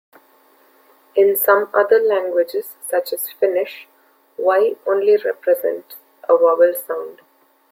In some other languages, such as Finnish, "y" only represents a vowel sound.